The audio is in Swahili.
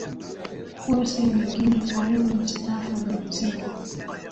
huyu si mwingine Karimu Mistafa Benzema